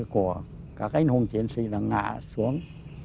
của các anh hùng chiến sĩ đã ngã xuống